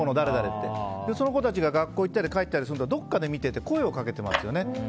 その子たちが学校に行ったり帰ったりするとどこかで見てて声をかけていますよね。